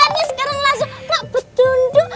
ini sekarang langsung makbut tunduk